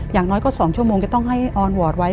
อย่างน้อยก็๒ชั่วโมงจะต้องให้ออนวอร์ดไว้